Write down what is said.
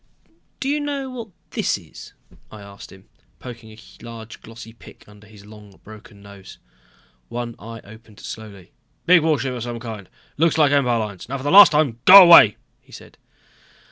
"Do you know what this is?" I asked him, poking a large glossy pic under his long broken nose. One eye opened slowly. "Big warship of some kind, looks like Empire lines. Now for the last time go away!" he said.